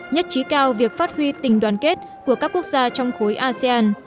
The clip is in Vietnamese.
nhất trí cao việc phát huy tình đoàn kết của các quốc gia trong khối asean